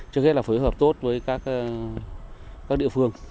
trước hết là phối hợp tốt với các địa phương